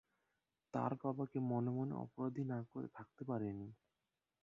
তার বাবাকে মনে মনে অপরাধী না করে থাকতে পারে নি।